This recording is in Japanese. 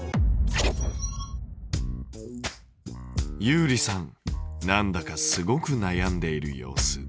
ゆうりさんなんだかすごくなやんでいる様子。